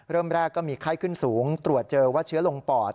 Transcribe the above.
เริ่มแรกก็มีไข้ขึ้นสูงตรวจเจอว่าเชื้อลงปอด